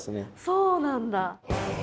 そうなんだ。